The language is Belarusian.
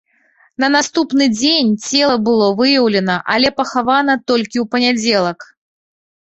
На наступны дзень цела было выяўлена, але пахавана толькі ў панядзелак.